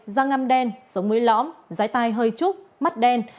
giang ngăm đen sống mũi lõm giái tay hơi trúc mắt đen